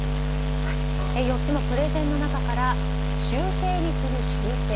４つのプレゼンの中から修正に次ぐ修正。